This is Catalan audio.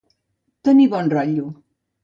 Tenir bon rotllo.